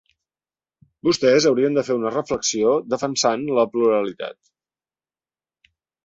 Vostès haurien de fer una reflexió defensant la pluralitat.